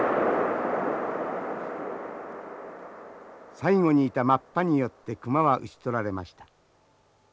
最後にいたマッパによって熊は撃ち取られました。